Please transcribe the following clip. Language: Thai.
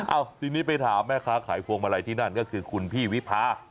ทีนี้ไปถามแม่ค้าขายพวงมาลัยที่นั่นก็คือคุณพี่วิพา